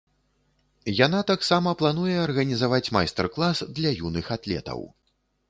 Яна таксама плануе арганізаваць майстар-клас для юных атлетаў.